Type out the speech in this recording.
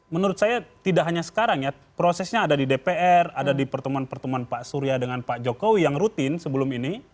menurut saya tidak hanya sekarang ya prosesnya ada di dpr ada di pertemuan pertemuan pak surya dengan pak jokowi yang rutin sebelum ini